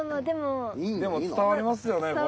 でも伝わりますよね？